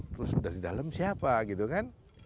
terus dari dalam siapa gitu kan